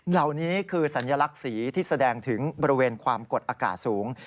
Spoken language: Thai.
เหล่านี้คือสัญลักษณ์สีที่แสดงถึงบริเวณความกดอากาศสูง